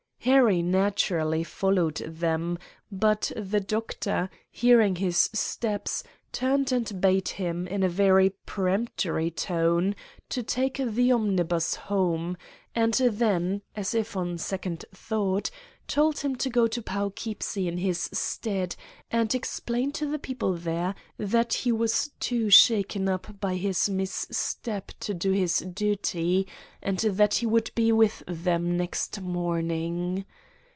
Harry naturally followed them, but the Doctor, hearing his steps, turned and bade him, in a very peremptory tone, to take the omnibus home, and then, as if on second thought, told him to go to Poughkeepsie in his stead and explain to the people there that he was too shaken up by his mis step to do his duty, and that he would be with them next morning.